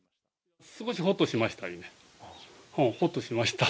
少しほっとしました。